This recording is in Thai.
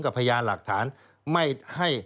พยานหลักฐานไม่ให้